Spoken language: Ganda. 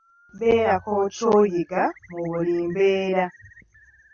Beerako ky'oyiga mu buli mbeera.